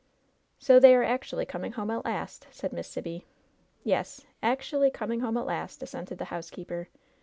" "So they are actually coming home at last," said Miss Sibby. "Yes, actially coming home at last,'' assented the housekeeper.